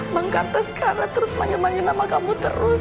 bang kata sekarang terus ngembangin nama kamu terus